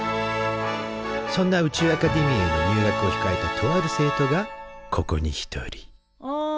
そんな宇宙アカデミーへの入学をひかえたとある生徒がここに一人あん！